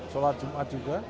sholat jumat juga